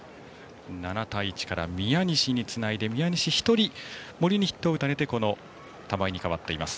７対１から宮西につないで宮西が１人森にヒットを打たれて玉井に代わっています。